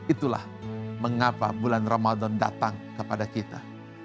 itulah mengapa bulan ramadan datang kepada kita